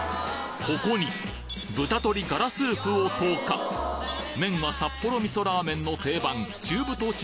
ここに豚鶏ガラスープを投下麺は札幌味噌ラーメンの定番